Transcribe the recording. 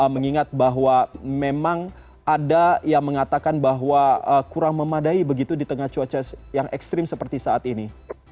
mengingat bahwa memang ada yang mengatakan bahwa kurang memadai begitu di tengah cuaca yang ekstrim seperti saat ini